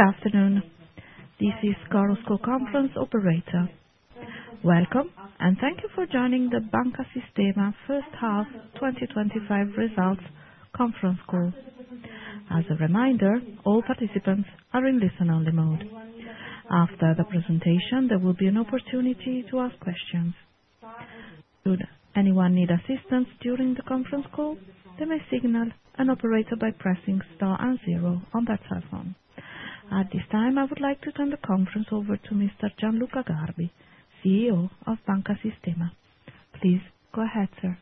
Good afternoon, this is Carlos, conference call operator. Welcome, and thank you for joining the Banca Sistema First Half 2025 Results conference call. As a reminder, all participants are in listen-only mode. After the presentation, there will be an opportunity to ask questions. Should anyone need assistance during the conference call, they may signal an operator by pressing star and zero on their telephone. At this time, I would like to turn the conference over to Mr. Gianluca Garbi, CEO of Banca Sistema. Please go ahead, sir.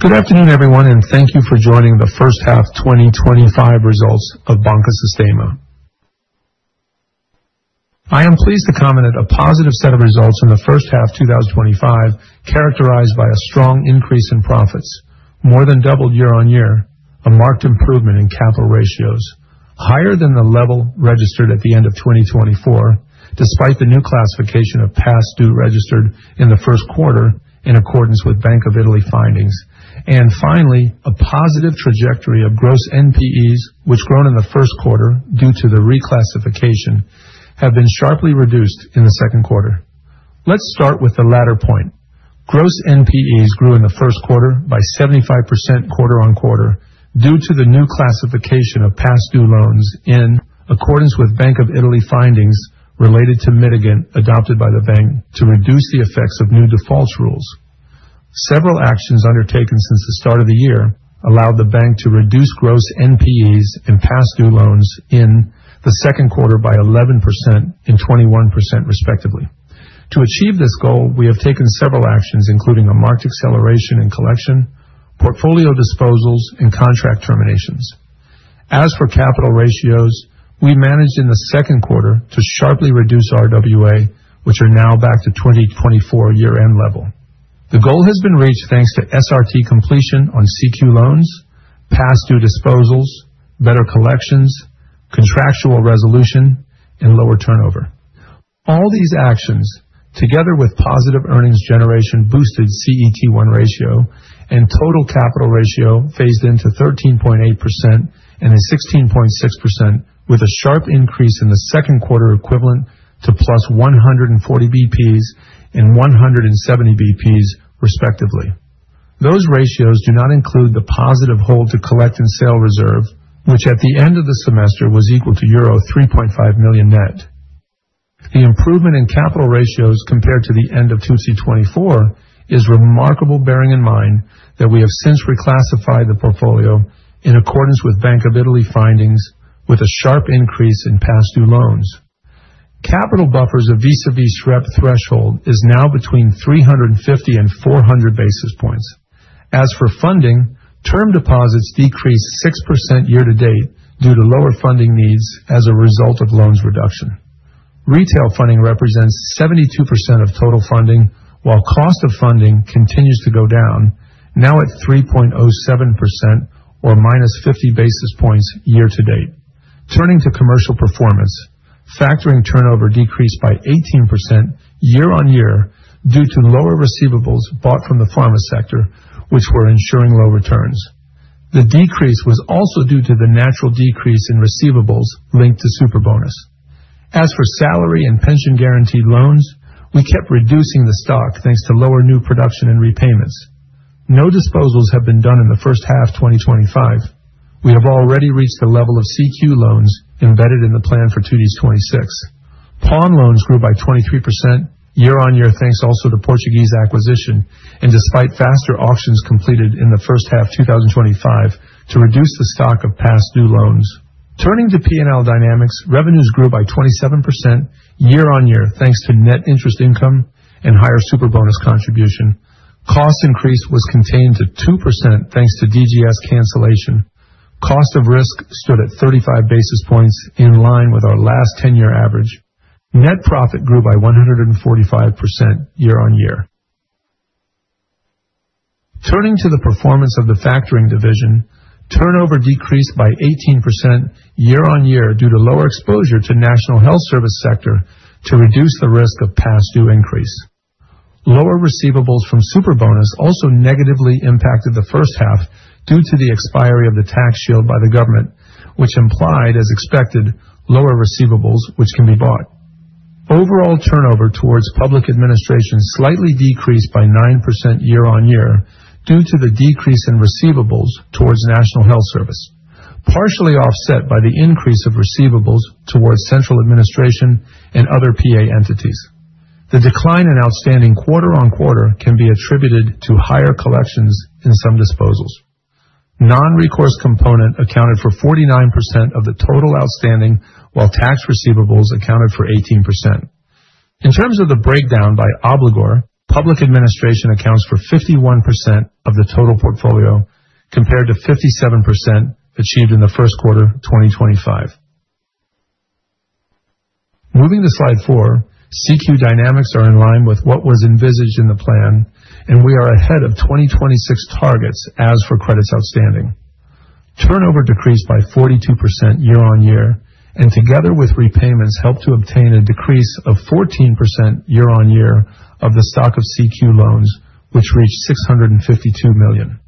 Good afternoon, everyone, and thank you for joining the first half 2025 results of Banca Sistema. I am pleased to comment that a positive set of results in the first half 2025 characterized by a strong increase in profits, more than doubled year-on-year, a marked improvement in capital ratios, higher than the level registered at the end of 2024 despite the new classification of past due registered in the Q1 in accordance with Bank of Italy findings, and finally a positive trajectory of gross NPEs which grown in the Q1 due to the reclassification have been sharply reduced in the Q2. Let's start with the latter point: gross NPEs grew in the Q1 by 75% quarter-on-quarter due to the new classification of past due loans in accordance with Bank of Italy findings related to mitigants adopted by the bank to reduce the effects of new defaults rules. Several actions undertaken since the start of the year allowed the bank to reduce gross NPEs and past due loans in the second quarter by 11% and 21% respectively. To achieve this goal, we have taken several actions including a marked acceleration in collection, portfolio disposals, and contract terminations. As for capital ratios, we managed in the Q2 to sharply reduce RWA which are now back to 2024 year-end level. The goal has been reached thanks to SRT completion on CQ loans, past due disposals, better collections, contractual resolution, and lower turnover. All these actions, together with positive earnings generation boosted CET1 ratio and total capital ratio phased into 13.8% and 16.6% with a sharp increase in the Q2 equivalent to plus 140 basis points and 170 basis points respectively. Those ratios do not include the positive hold to collect and sell reserve which at the end of the semester was equal to euro 3.5 million net. The improvement in capital ratios compared to the end of 2024 is remarkable bearing in mind that we have since reclassified the portfolio in accordance with Bank of Italy findings with a sharp increase in past due loans. Capital buffers of vis-à-vis SREP threshold is now between 350 and 400 basis points. As for funding, term deposits decreased 6% year-to-date due to lower funding needs as a result of loans reduction. Retail funding represents 72% of total funding while cost of funding continues to go down now at 3.07% or minus 50 basis points year-to-date. Turning to commercial performance, factoring turnover decreased by 18% year-on-year due to lower receivables bought from the pharma sector which were ensuring low returns. The decrease was also due to the natural decrease in receivables linked to Superbonus. As for salary and pension guaranteed loans, we kept reducing the stock thanks to lower new production and repayments. No disposals have been done in the first half 2025. We have already reached the level of CQ loans embedded in the plan for 2026. Pawn loans grew by 23% year-on-year thanks also to Portuguese acquisition and despite faster auctions completed in the first half 2025 to reduce the stock of past due loans. Turning to P&L dynamics, revenues grew by 27% year-on-year thanks to net interest income and higher Superbonus contribution. Cost increase was contained to 2% thanks to DGS cancellation. Cost of risk stood at 35 basis points in line with our last 10-year average. Net profit grew by 145% year-on-year. Turning to the performance of the factoring division, turnover decreased by 18% year-on-year due to lower exposure to National Health Service sector to reduce the risk of past due increase. Lower receivables from Superbonus also negatively impacted the first half due to the expiry of the tax shield by the government which implied, as expected, lower receivables which can be bought. Overall turnover towards public administration slightly decreased by 9% year-on-year due to the decrease in receivables towards National Health Service, partially offset by the increase of receivables towards central administration and other PA entities. The decline in outstanding quarter-on-quarter can be attributed to higher collections in some disposals. Non-recourse component accounted for 49% of the total outstanding while tax receivables accounted for 18%. In terms of the breakdown by obligor, public administration accounts for 51% of the total portfolio compared to 57% achieved in the Q1 2025. Moving to slide 4, CQ dynamics are in line with what was envisaged in the plan and we are ahead of 2026 targets as for credits outstanding. Turnover decreased by 42% year-on-year and together with repayments helped to obtain a decrease of 14% year-on-year of the stock of CQ loans which reached 652 million.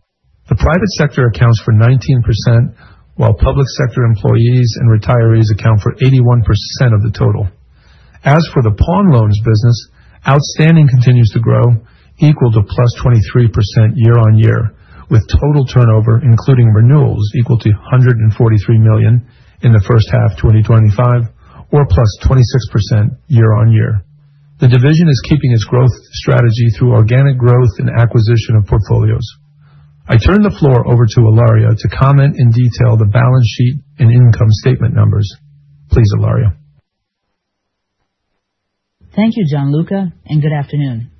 The private sector accounts for 19% while public sector employees and retirees account for 81% of the total. As for the pawn loans business, outstanding continues to grow equal to +23% year-on-year with total turnover including renewals equal to 143 million in the first half 2025 or +26% year-on-year. The division is keeping its growth strategy through organic growth and acquisition of portfolios. I turn the floor over to Ilaria to comment in detail the balance sheet and income statement numbers. Please, Ilaria. Thank you, Gianluca, and good afternoon.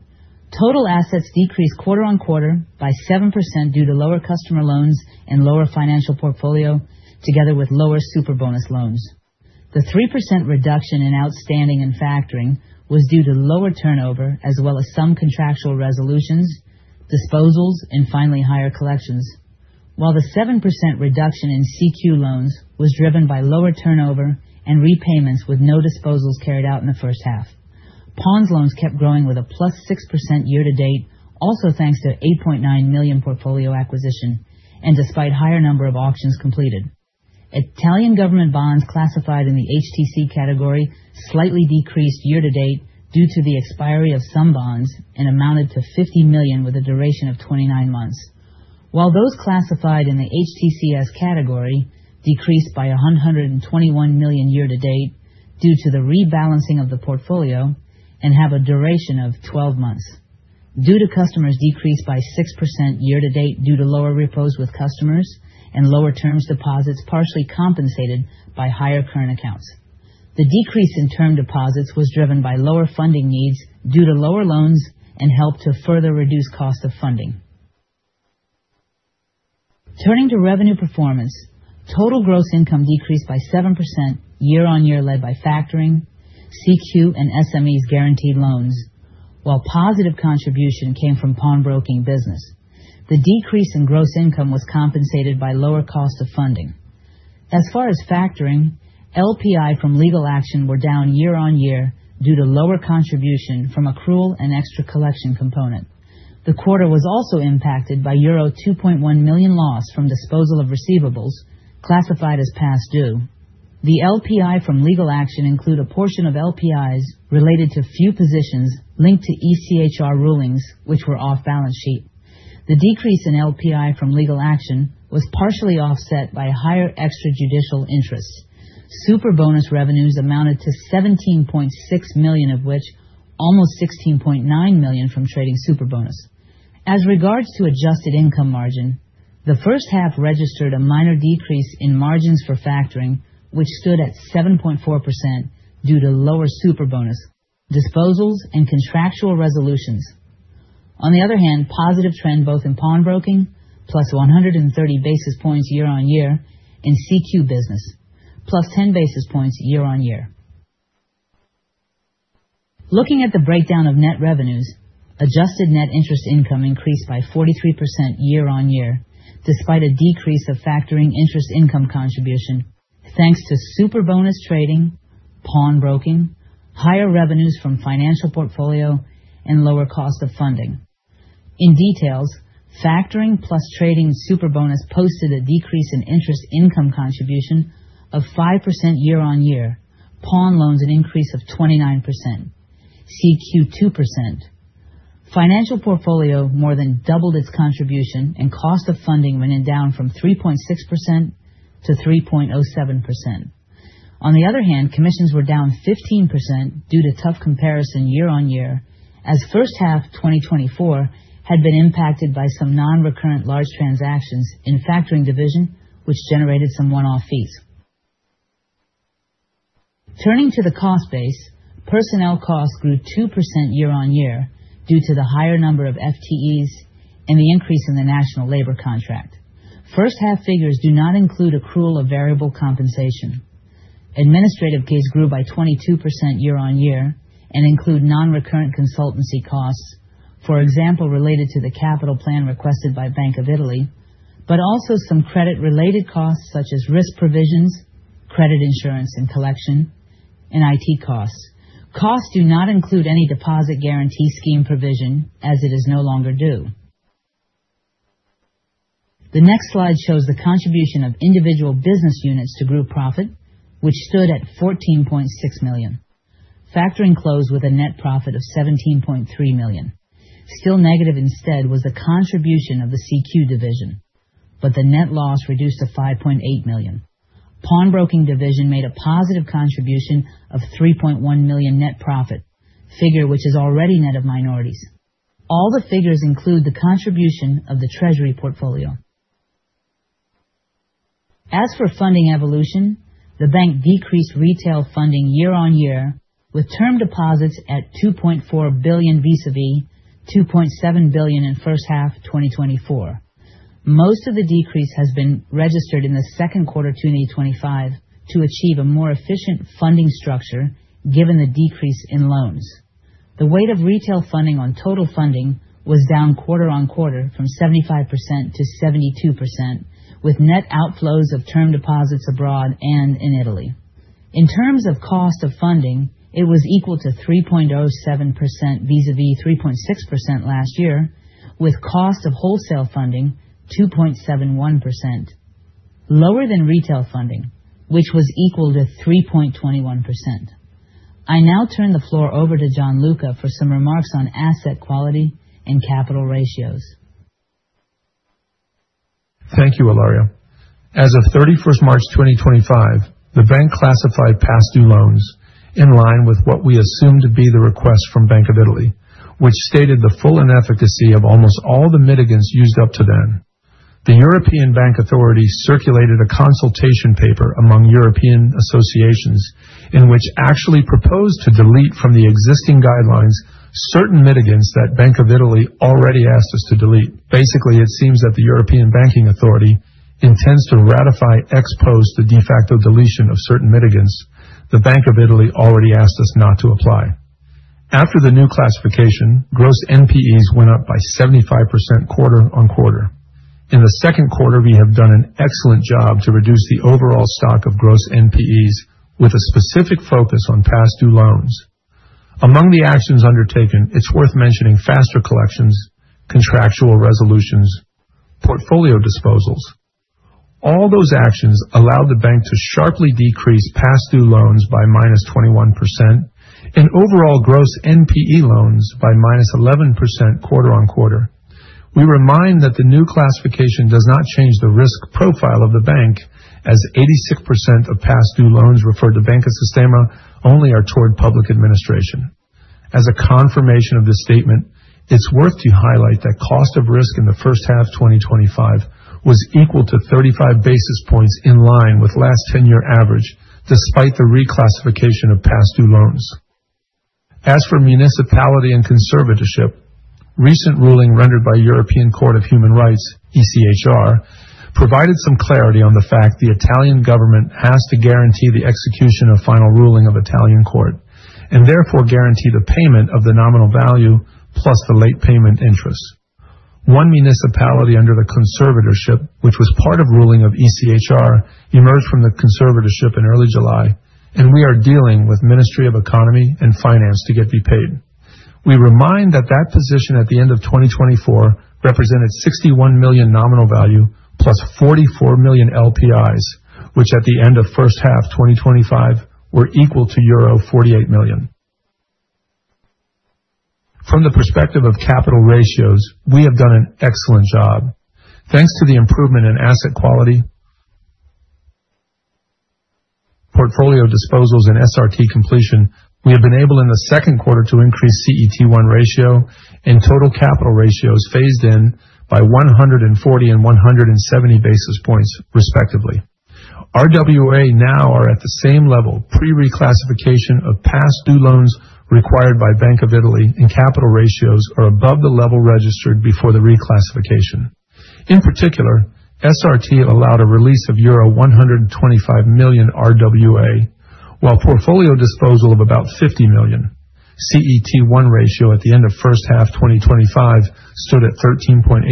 Total assets decreased quarter-on-quarter by 7% due to lower customer loans and lower financial portfolio together with lower Superbonus loans. The 3% reduction in outstanding and factoring was due to lower turnover as well as some contractual resolutions, disposals, and finally higher collections, while the 7% reduction in CQ loans was driven by lower turnover and repayments with no disposals carried out in the first half. Pawn loans kept growing with a +6% year-to-date also thanks to 8.9 million portfolio acquisition and despite higher number of auctions completed. Italian government bonds classified in the HTC category slightly decreased year-to-date due to the expiry of some bonds and amounted to 50 million with a duration of 29 months, while those classified in the HTCS category decreased by 121 million year-to-date due to the rebalancing of the portfolio and have a duration of 12 months, due to customers decrease by 6% year-to-date due to lower repos with customers and lower term deposits partially compensated by higher current accounts. The decrease in term deposits was driven by lower funding needs due to lower loans and helped to further reduce cost of funding. Turning to revenue performance, total gross income decreased by 7% year-on-year led by factoring, CQ, and SMEs guaranteed loans, while positive contribution came from pawnbroking business. The decrease in gross income was compensated by lower cost of funding. As far as factoring, LPI from legal action were down year-on-year due to lower contribution from accrual and extra collection component. The quarter was also impacted by euro 2.1 million loss from disposal of receivables classified as past due. The LPI from legal action include a portion of LPIs related to few positions linked to ECHR rulings which were off balance sheet. The decrease in LPI from legal action was partially offset by higher extrajudicial interests. Superbonus revenues amounted to 17.6 million of which almost 16.9 million from trading Superbonus. As regards to adjusted income margin, the first half registered a minor decrease in margins for factoring which stood at 7.4% due to lower Superbonus, disposals, and contractual resolutions. On the other hand, positive trend both in pawn broking plus 130 basis points year-on-year in CQ business, plus 10 basis points year-on-year. Looking at the breakdown of net revenues, adjusted net interest income increased by 43% year-on-year despite a decrease of factoring interest income contribution thanks to Superbonus trading, pawnbroking, higher revenues from financial portfolio, and lower cost of funding. In details, factoring plus trading Superbonus posted a decrease in interest income contribution of 5% year-on-year, pawn loans an increase of 29%, CQ 2%. Financial portfolio more than doubled its contribution and cost of funding went down from 3.6%- 3.07%. On the other hand, commissions were down 15% due to tough comparison year-on-year as first half 2024 had been impacted by some non-recurrent large transactions in factoring division which generated some one-off fees. Turning to the cost base, personnel cost grew 2% year-on-year due to the higher number of FTEs and the increase in the national labor contract. First half figures do not include accrual of variable compensation. Administrative costs grew by 22% year-on-year and include non-recurrent consultancy costs, for example related to the capital plan requested by Bank of Italy, but also some credit-related costs such as risk provisions, credit insurance and collection, and IT costs. Costs do not include any deposit guarantee scheme provision as it is no longer due. The next slide shows the contribution of individual business units to group profit which stood at 14.6 million. Factoring closed with a net profit of 17.3 million. Still negative instead was the contribution of the CQ division, but the net loss reduced to 5.8 million. Pawnbroking division made a positive contribution of 3.1 million net profit, figure which is already net of minorities. All the figures include the contribution of the treasury portfolio. As for funding evolution, the bank decreased retail funding year-on-year with term deposits at 2.4 billion vis-à-vis 2.7 billion in first half 2024. Most of the decrease has been registered in the Q2 2025 to achieve a more efficient funding structure given the decrease in loans. The weight of retail funding on total funding was down quarter-on-quarter from 75%-72% with net outflows of term deposits abroad and in Italy. In terms of cost of funding, it was equal to 3.07% vis-à-vis 3.6% last year with cost of wholesale funding 2.71%, lower than retail funding which was equal to 3.21%. I now turn the floor over to Gianluca for some remarks on asset quality and capital ratios. Thank you, Ilaria. As of 31 March 2025, the bank classified past due loans in line with what we assume to be the request from Bank of Italy which stated the full inefficacy of almost all the mitigants used up to then. The European Banking Authority circulated a consultation paper among European associations in which actually proposed to delete from the existing guidelines certain mitigants that Bank of Italy already asked us to delete. Basically, it seems that the European Banking Authority intends to ratify ex post the de facto deletion of certain mitigants the Bank of Italy already asked us not to apply. After the new classification, gross NPEs went up by 75% quarter-on-quarter. In the Q2, we have done an excellent job to reduce the overall stock of gross NPEs with a specific focus on past due loans. Among the actions undertaken, it's worth mentioning faster collections, contractual resolutions, portfolio disposals. All those actions allowed the bank to sharply decrease past due loans by -21% and overall gross NPE loans by -11% quarter-on-quarter. We remind that the new classification does not change the risk profile of the bank as 86% of past due loans referred to Banca Sistema only are toward public administration. As a confirmation of this statement, it's worth to highlight that cost of risk in the first half 2025 was equal to 35 basis points in line with last 10-year average despite the reclassification of past due loans. As for municipality and conservatorship, recent ruling rendered by European Court of Human Rights, ECHR, provided some clarity on the fact the Italian government has to guarantee the execution of final ruling of Italian court and therefore guarantee the payment of the nominal value plus the late payment interest. One municipality under the conservatorship which was part of ruling of ECHR emerged from the conservatorship in early July and we are dealing with Ministry of Economy and Finance to get repaid. We remind that that position at the end of 2024 represented 61 million nominal value plus 44 million LPIs which at the end of first half 2025 were equal to euro 48 million. From the perspective of capital ratios, we have done an excellent job. Thanks to the improvement in asset quality, portfolio disposals, and SRT completion, we have been able in the Q2 to increase CET1 ratio and total capital ratios phased in by 140 and 170 basis points respectively. RWA now are at the same level pre-reclassification of past due loans required by Bank of Italy and capital ratios are above the level registered before the reclassification. In particular, SRT allowed a release of euro 125 million RWA while portfolio disposal of about 50 million. CET1 ratio at the end of first half 2025 stood at 13.8%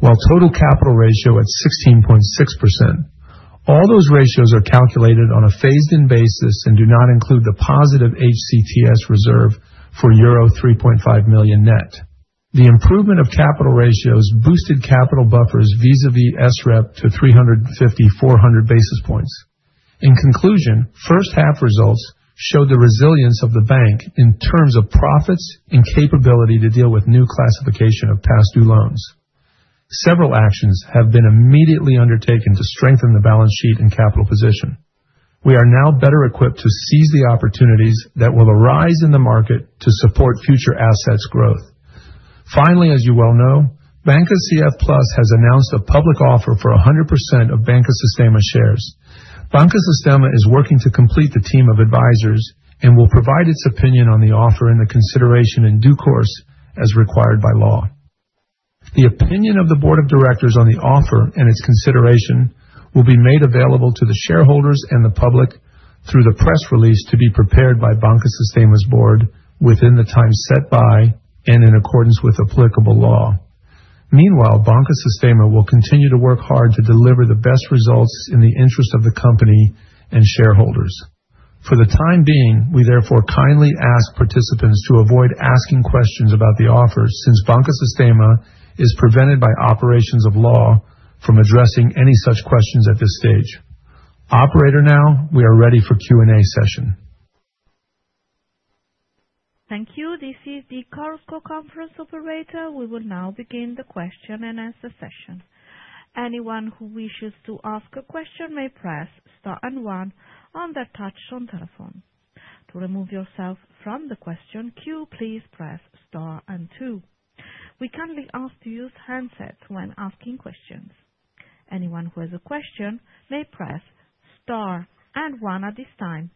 while total capital ratio at 16.6%. All those ratios are calculated on a phased-in basis and do not include the positive HTCS reserve for euro 3.5 million net. The improvement of capital ratios boosted capital buffers vis-à-vis SREP to 350-400 basis points. In conclusion, first half results showed the resilience of the bank in terms of profits and capability to deal with new classification of past due loans. Several actions have been immediately undertaken to strengthen the balance sheet and capital position. We are now better equipped to seize the opportunities that will arise in the market to support future assets growth. Finally, as you well know, Banca CF+ has announced a public offer for 100% of Banca Sistema shares. Banca Sistema is working to complete the team of advisors and will provide its opinion on the offer and the consideration in due course as required by law. The opinion of the board of directors on the offer and its consideration will be made available to the shareholders and the public through the press release to be prepared by Banca Sistema's board within the time set by and in accordance with applicable law. Meanwhile, Banca Sistema will continue to work hard to deliver the best results in the interest of the company and shareholders. For the time being, we therefore kindly ask participants to avoid asking questions about the offer since Banca Sistema is prevented by operations of law from addressing any such questions at this stage. Operator now, we are ready for Q&A session. Thank you. This is the Carlos Conference Operator. We will now begin the question and answer session. Anyone who wishes to ask a question may press star and one on their touch-tone telephone. To remove yourself from the question queue, please press star and two. We kindly ask to use handsets when asking questions. Anyone who has a question may press star and one at this time.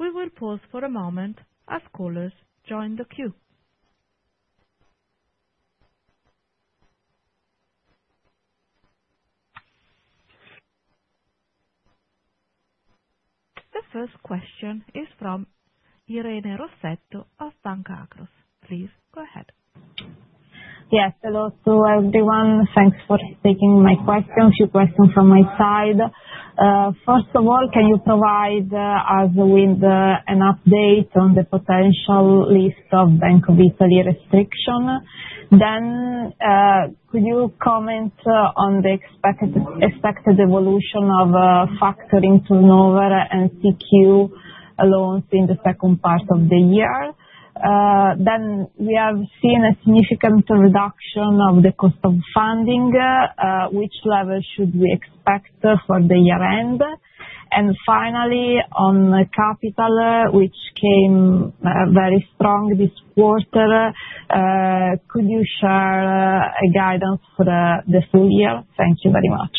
We will pause for a moment as callers join the queue. The first question is from Irene Rossetto of Banca Akros. Please go ahead. Yes, hello to everyone. Thanks for taking my question, a few questions from my side. First of all, can you provide us with an update on the potential lift of Bank of Italy restriction? Then could you comment on the expected evolution of factoring turnover and CQ loans in the second part of the year? Then we have seen a significant reduction of the cost of funding. Which level should we expect for the year-end? And finally, on capital which came very strong this quarter, could you share guidance for the full year? Thank you very much.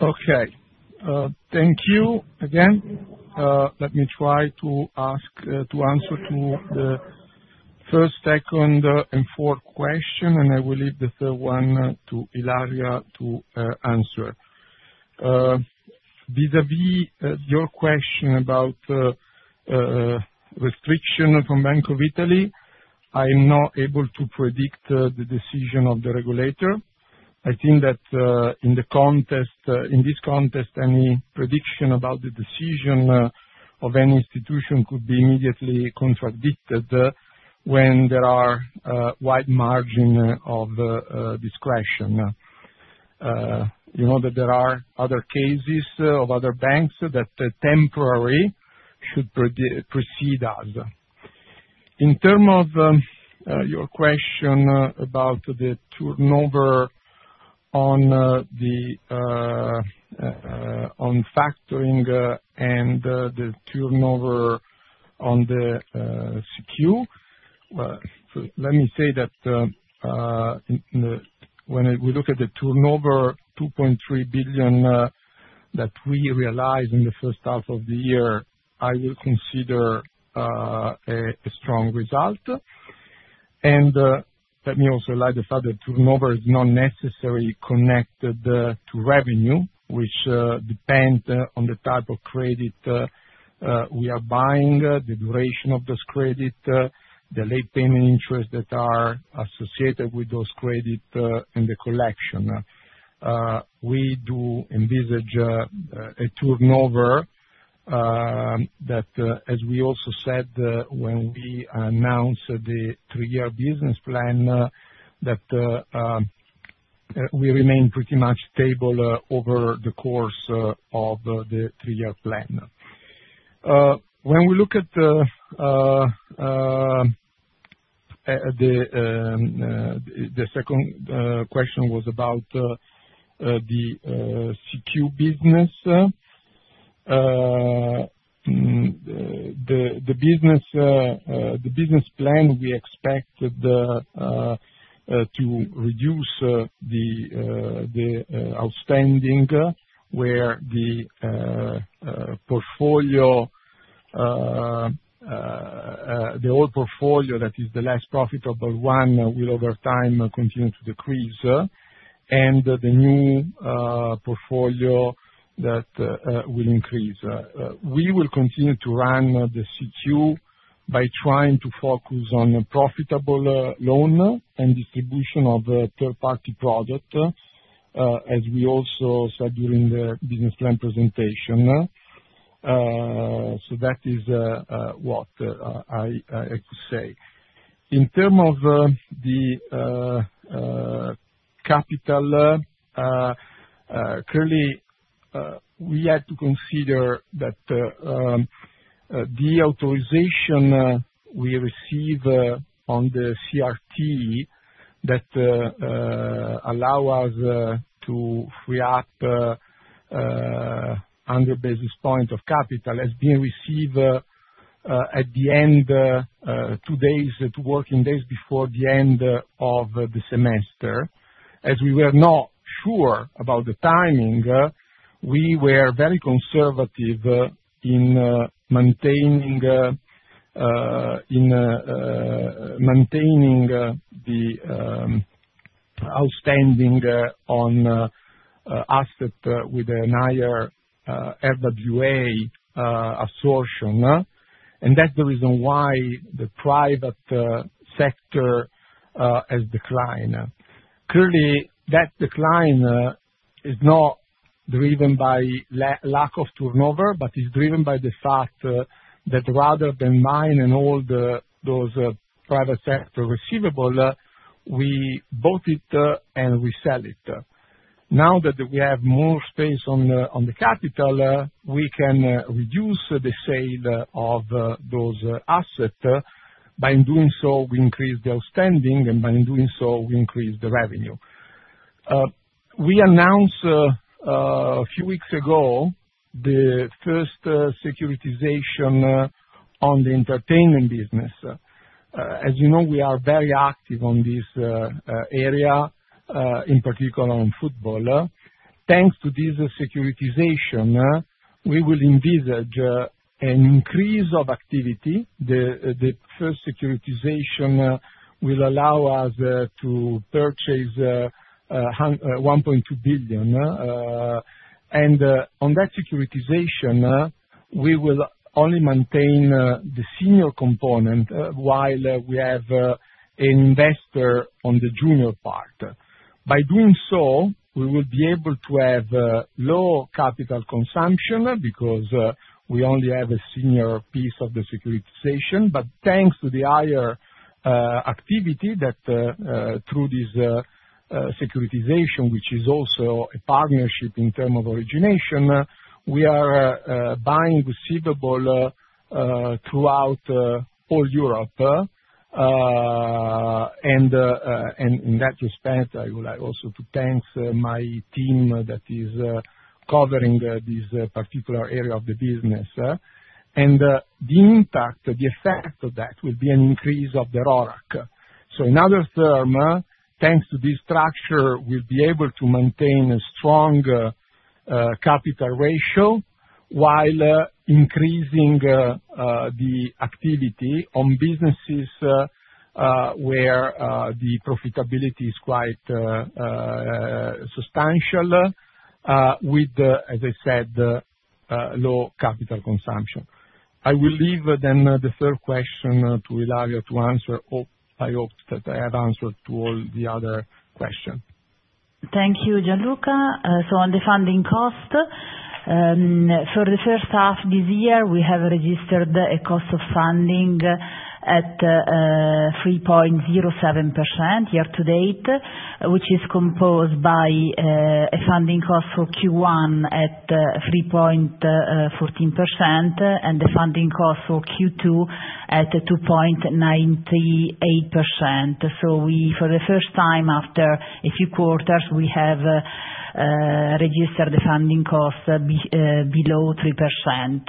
Okay. Thank you again. Let me try to answer to the first, second, and fourth question and I will leave the third one to Ilaria to answer. Vis-à-vis your question about restriction from Bank of Italy, I am not able to predict the decision of the regulator. I think that in this context, any prediction about the decision of any institution could be immediately contradicted when there are wide margins of discretion. You know that there are other cases of other banks that temporarily should precede us. In terms of your question about the turnover on factoring and the turnover on the CQ, let me say that when we look at the turnover of 2.3 billion that we realized in the first half of the year, I will consider a strong result. Let me also highlight the fact that turnover is not necessarily connected to revenue, which depends on the type of credit we are buying, the duration of those credits, the late payment interests that are associated with those credits, and the collection. We do envisage a turnover that, as we also said when we announced the three-year business plan, that we remain pretty much stable over the course of the three-year plan. When we look at the second question was about the CQ business. The business plan we expected to reduce the outstanding where the old portfolio that is the less profitable one will over time continue to decrease and the new portfolio that will increase. We will continue to run the CQ by trying to focus on profitable loan and distribution of third-party product as we also said during the business plan presentation. That is what I could say. In terms of the capital, clearly we had to consider that the authorization we receive on the SRT that allow us to free up 100 basis points of capital has been received 2 working days before the end of the semester. As we were not sure about the timing, we were very conservative in maintaining the outstanding on assets with an IRB RWA absorption and that's the reason why the private sector has declined. Clearly, that decline is not driven by lack of turnover but is driven by the fact that rather than hold and all those private sector receivables, we bought it and we sell it. Now that we have more space on the capital, we can reduce the sale of those assets. By doing so, we increase the outstanding and by doing so, we increase the revenue. We announced a few weeks ago the first securitization on the entertainment business. As you know, we are very active on this area, in particular on football. Thanks to this securitization, we will envisage an increase of activity. The first securitization will allow us to purchase 1.2 billion and on that securitization, we will only maintain the senior component while we have an investor on the junior part. By doing so, we will be able to have low capital consumption because we only have a senior piece of the securitization but thanks to the IR activity that through this securitization which is also a partnership in terms of origination, we are buying receivables throughout all Europe. And in that respect, I would like also to thank my team that is covering this particular area of the business and the effect of that will be an increase of the RORAC. In other terms, thanks to this structure, we'll be able to maintain a strong capital ratio while increasing the activity on businesses where the profitability is quite substantial with, as I said, low capital consumption. I will leave then the third question to Ilaria to answer. I hope that I have answered to all the other questions. Thank you, Gianluca. So on the funding cost, for the first half this year, we have registered a cost of funding at 3.07% year-to-date which is composed by a funding cost for Q1 at 3.14% and the funding cost for Q2 at 2.98%. So for the first time after a few quarters, we have registered the funding cost below 3%.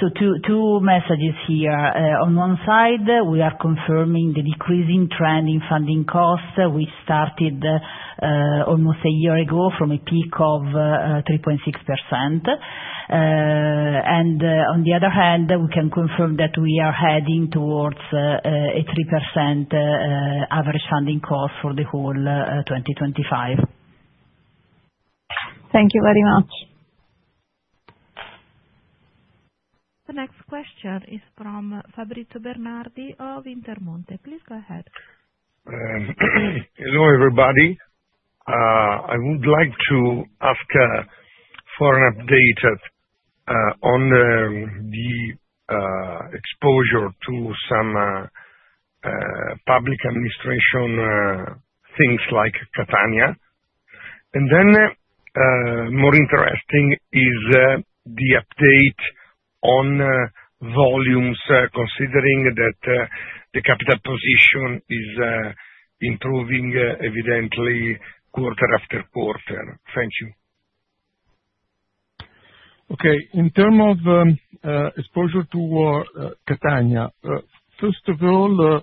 So two messages here. On one side, we are confirming the decreasing trend in funding costs which started almost a year ago from a peak of 3.6%. And on the other hand, we can confirm that we are heading towards a 3% average funding cost for the whole 2025. Thank you very much. The next question is from Fabrizio Bernardi of Intermonte. Please go ahead. Hello everybody. I would like to ask for an update on the exposure to some public administration things like Catania. And then more interesting is the update on volumes considering that the capital position is improving evidently quarter-after-quarter. Thank you. Okay. In terms of exposure to Catania, first of all,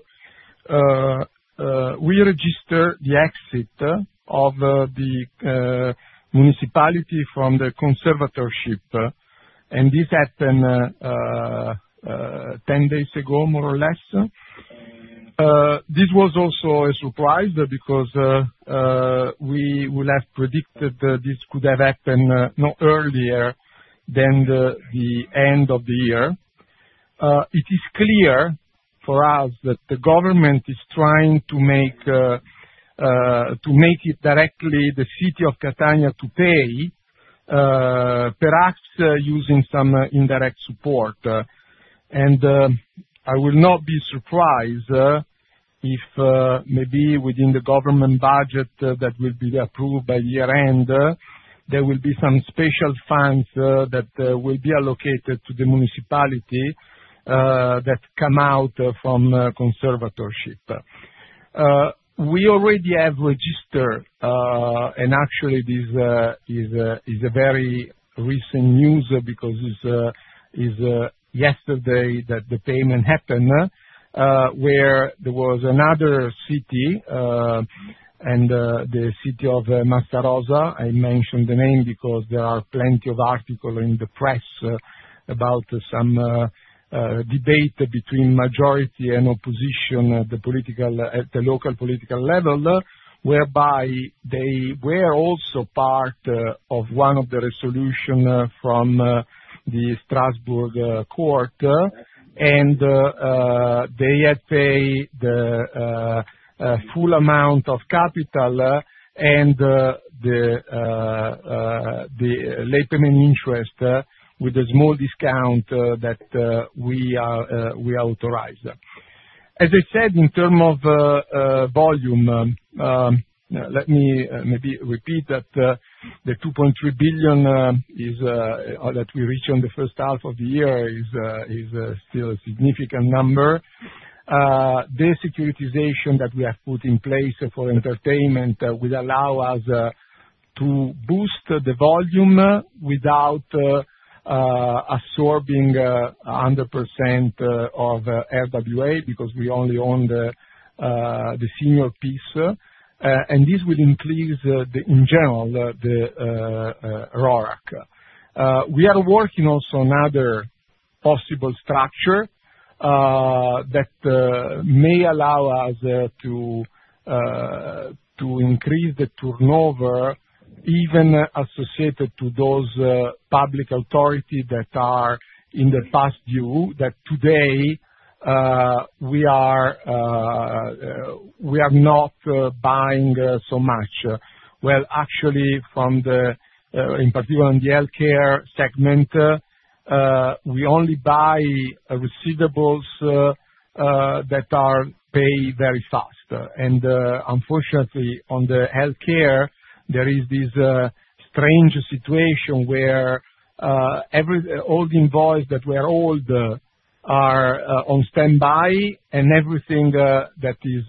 we registered the exit of the municipality from the conservatorship and this happened 10 days ago more or less. This was also a surprise because we would have predicted this could have happened no earlier than the end of the year. It is clear for us that the government is trying to make it directly the city of Catania to pay perhaps using some indirect support. And I will not be surprised if maybe within the government budget that will be approved by year-end, there will be some special funds that will be allocated to the municipality that come out from conservatorship. We already have registered and actually this is a very recent news because it's yesterday that the payment happened where there was another city and the city of Massarosa. I mentioned the name because there are plenty of articles in the press about some debate between majority and opposition at the local political level whereby they were also part of one of the resolutions from the Strasbourg court and they had paid the full amount of capital and the late payment interest with a small discount that we authorized. As I said, in terms of volume, let me maybe repeat that the 2.3 billion that we reached on the first half of the year is still a significant number. The securitization that we have put in place for entertainment will allow us to boost the volume without absorbing 100% of RWA because we only own the senior piece and this will increase in general the RORAC. We are working also on other possible structures that may allow us to increase the turnover even associated to those public authorities that are in the Past due that today we are not buying so much. Well, actually in particular on the healthcare segment, we only buy receivables that are paid very fast and unfortunately on the healthcare, there is this strange situation where all the invoices that were old are on standby and everything that is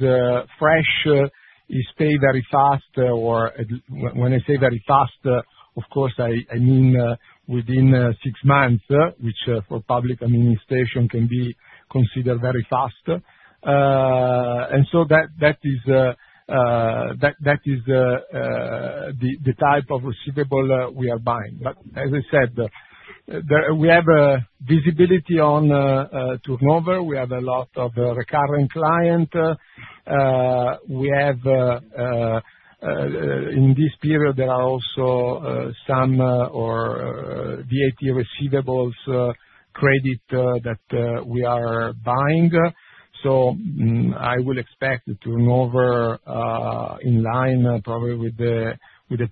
fresh is paid very fast or when I say very fast, of course, I mean within six months which for Public Administration can be considered very fast. And so that is the type of receivable we are buying. But as I said, we have visibility on turnover. We have a lot of recurring clients. In this period, there are also some VAT receivables credits that we are buying. So, I will expect the turnover in line probably with the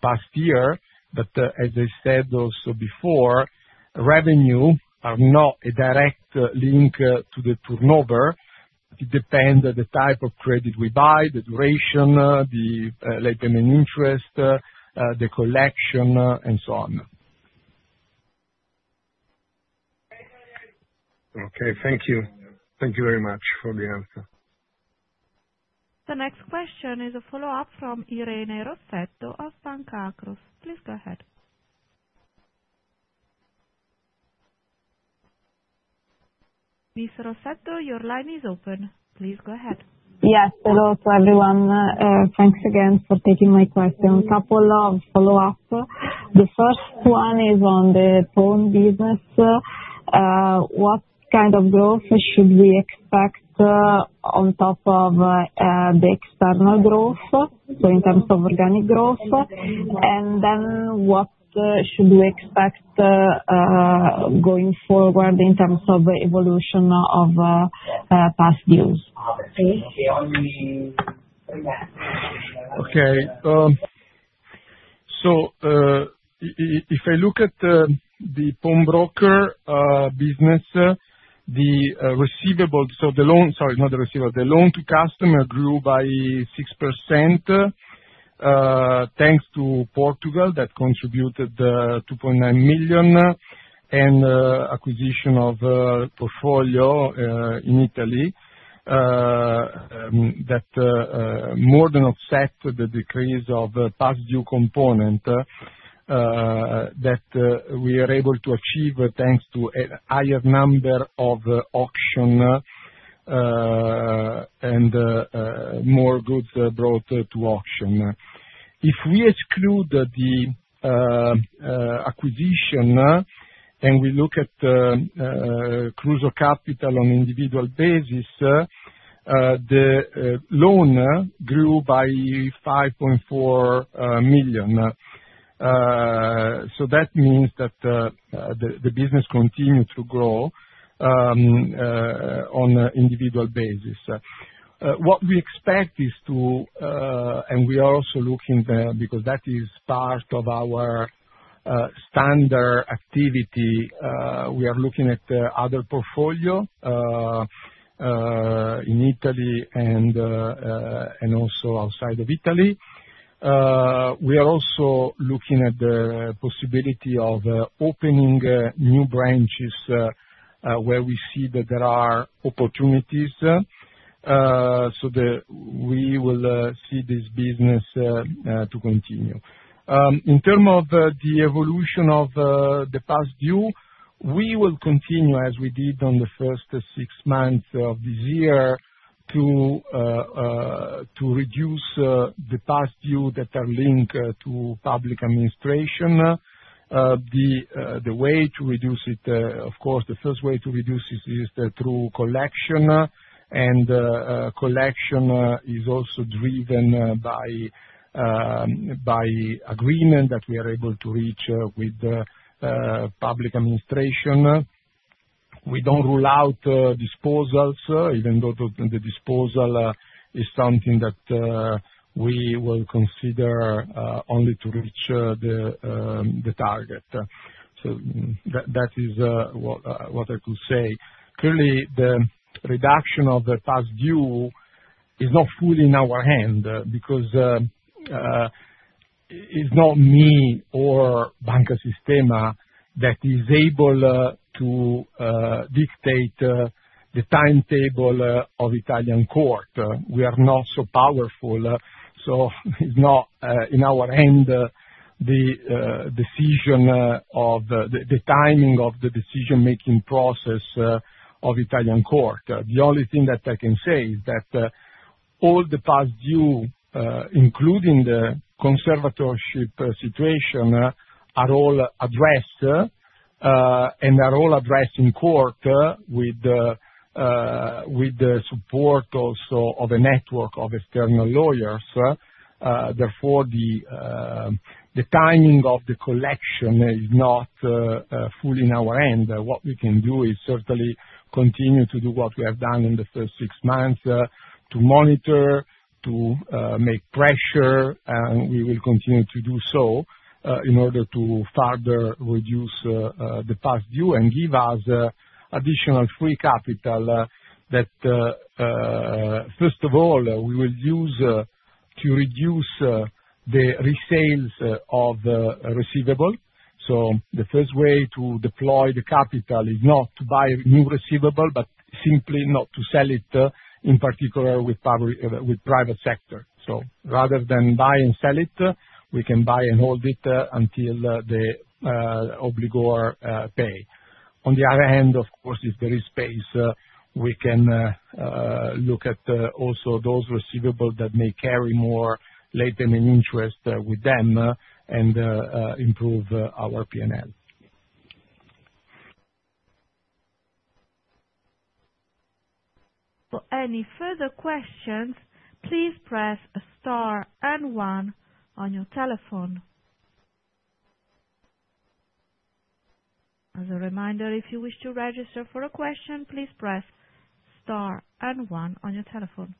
past year, but as I said also before, revenue are not a direct link to the turnover. It depends on the type of credit we buy, the duration, the late payment interest, the collection, and so on. Okay.Thank you. Thank you very much for the answer. The next question is a follow-up from Irene Rossetto of Banca Akros. Please go ahead. Ms. Rossetto, your line is open. Please go ahead. Yes. Hello to everyone. Thanks again for taking my question. Couple of follow-ups. The first one is on the pawn business. What kind of growth should we expect on top of the external growth? So in terms of organic growth and then what should we expect going forward in terms of evolution of past dues? Okay. So if I look at the pawn broker business, the receivables so the loan sorry, not the receivables. The loan to customer grew by 6% thanks to Portugal that contributed 2.9 million and acquisition of portfolio in Italy that more than offset the decrease of past due component that we are able to achieve thanks to a higher number of auctions and more goods brought to auction. If we exclude the acquisition and we look at Kruso Kapital on individual basis, the loan grew by 5.4 million. So that means that the business continued to grow on individual basis. What we expect is to and we are also looking because that is part of our standard activity. We are looking at other portfolio in Italy and also outside of Italy. We are also looking at the possibility of opening new branches where we see that there are opportunities so that we will see this business to continue. In terms of the evolution of the past due, we will continue as we did on the first six months of this year to reduce the past due that are linked to public administration. The way to reduce it, of course, the first way to reduce it is through collection and collection is also driven by agreement that we are able to reach with public administration. We don't rule out disposals even though the disposal is something that we will consider only to reach the target. So that is what I could say. Clearly, the reduction of the past due is not fully in our hand because it's not me or Banca Sistema that is able to dictate the timetable of Italian court. We are not so powerful, so it's not in our hand the decision of the timing of the decision-making process of Italian court. The only thing that I can say is that all the past due including the conservatorship situation are all addressed and are all addressed in court with the support also of a network of external lawyers. Therefore, the timing of the collection is not fully in our hand. What we can do is certainly continue to do what we have done in the first six months to monitor, to make pressure, and we will continue to do so in order to further reduce the past due and give us additional free capital that first of all, we will use to reduce the resales of receivables. The first way to deploy the capital is not to buy new receivables but simply not to sell it in particular with private sector. Rather than buy and sell it, we can buy and hold it until the obligor pay. On the other hand, of course, if there is space, we can look at also those receivables that may carry more late payment interest with them and improve our P&L. For any further questions, please press star and one on your telephone. As a reminder, if you wish to register for a question, please press star and one on your telephone.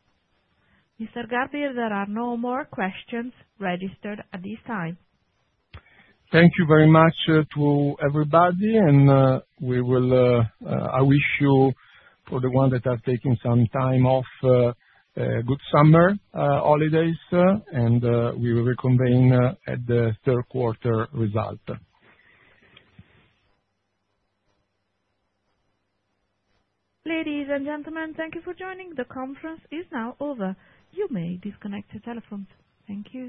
Mr. Garbi, there are no more questions registered at this time. Thank you very much to everybody, and I wish you, for the ones that are taking some time off, a good summer holidays, and we will reconvene at the Q3 result. Ladies and gentlemen, thank you for joining. The conference is now over. You may disconnect your telephones. Thank you.